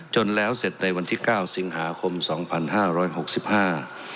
จนแล้วเสร็จในวันที่เก้าสิงหาคมสองพันห้าร้อยหกสิบห้า